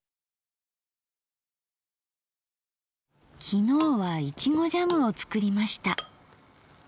昨日は苺ジャムを作りました。